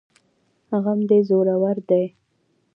غم دي زورور دی